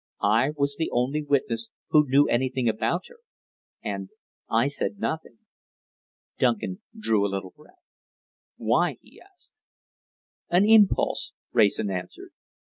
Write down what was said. "I was the only witness who knew anything about her and I said nothing." Duncan drew a little breath. "Why?" he asked. "An impulse," Wrayson answered.